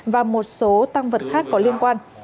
và một số tăng vật khác có liên quan